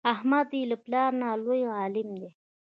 احمد یې له پلار نه لوی عالم دی.